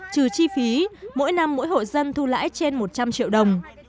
trừ chi phí mỗi năm mỗi hộ dân thu lãi trên một trăm linh triệu đồng